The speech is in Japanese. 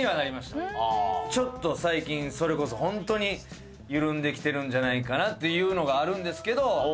ちょっと最近それこそ本当に緩んできてるんじゃないかなっていうのがあるんですけど。